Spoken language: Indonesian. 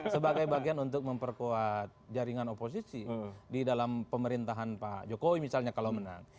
sebagai bagian untuk memperkuat jaringan oposisi di dalam pemerintahan pak jokowi misalnya kalau menang